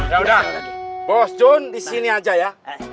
yaudah bos jun disini aja ya